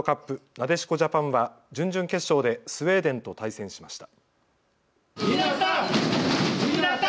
なでしこジャパンは準々決勝でスウェーデンと対戦しました。